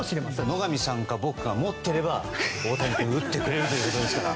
野上さんか僕が持ってれば大谷君、打ってくれるということですから。